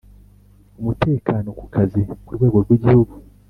Umutekano ku kazi ku rwego rw Igihugu